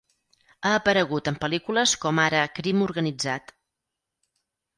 Ha aparegut en pel·lícules com ara "Crim organitzat".